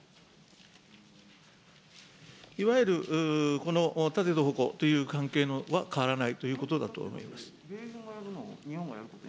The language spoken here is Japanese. いわゆるこの盾と矛という関係は変わらないということだと思います。